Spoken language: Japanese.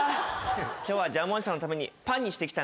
今日はジャムおじさんのためにパンにしてきたんだからね。